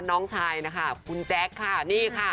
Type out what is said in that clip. น้องชายนะคะคุณแจ๊คค่ะนี่ค่ะ